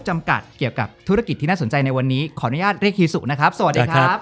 จำกัดเกี่ยวกับธุรกิจที่น่าสนใจในวันนี้ขออนุญาตเรียกฮีสุนะครับสวัสดีครับ